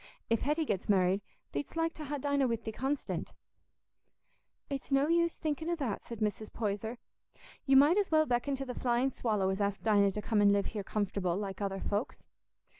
If Hetty gets married, theed'st like to ha' Dinah wi' thee constant." "It's no use thinking o' that," said Mrs. Poyser. "You might as well beckon to the flying swallow as ask Dinah to come an' live here comfortable, like other folks.